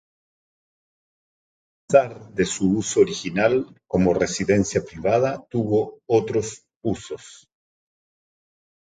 Tras cesar de su uso original como residencia privada, tuvo otros usos.